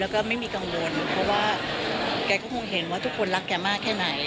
ก็คงเห็นว่าทุกคนรักแกมากแค่ไหน